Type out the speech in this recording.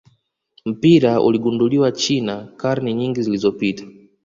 mpira uligunduliwa China karne nyingi zilizopita